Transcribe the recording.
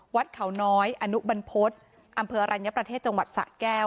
วัดเขาน้อยอนุบันพฤษอำเภออรัญญประเทศจังหวัดสะแก้ว